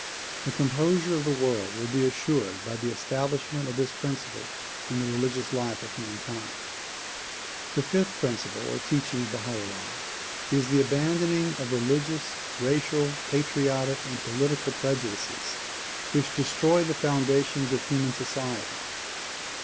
The composure of the world will be assured by the establishment of this principle in the religious life of mankind. The fifth principle or teaching of Baha 'Ullah is the abandon ing of religious, racial, patriotic and political prejudices which destroy the foundations of human society.